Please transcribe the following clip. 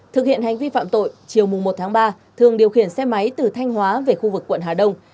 thực hiện hành vi phạm tội chiều một tháng ba thường điều khiển xe máy từ thanh hóa về khu vực quận hà đông